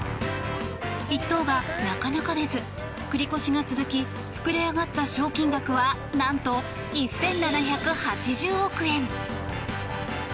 １等がなかなか出ず繰り越しが続き膨れ上がった賞金額は何と１７８０億円。